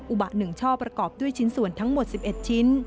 อุบะ๑ช่อประกอบด้วยชิ้นส่วนทั้งหมด๑๑ชิ้น